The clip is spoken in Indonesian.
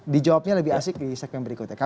dijawabnya lebih asik di segmen berikutnya